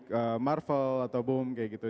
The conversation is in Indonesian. di komik marvel atau boom kayak gitu